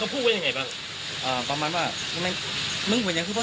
ก็พูดไว้ยังไงบ้างอ่าประมาณว่าไม่มีมึงเป็นยังคือ